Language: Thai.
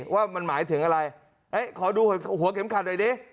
ว่ามันหมายถึงอะไรขอดูหัวเข็มขัดหน่อยดิ